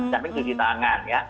sambil cuci tangan ya